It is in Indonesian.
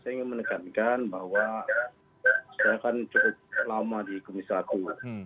saya ingin menekankan bahwa saya kan cukup lama di komisi satu